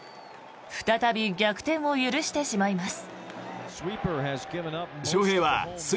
再び逆転を許してしまいます。